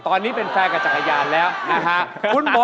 ตอนนี้เป็นแฟนกับจักรยานแล้วนะฮะ